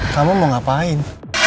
kamu mau ngapain